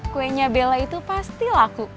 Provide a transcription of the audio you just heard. kuenya bella itu pasti laku